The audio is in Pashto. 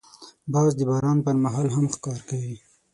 باز د باران پر مهال هم ښکار کوي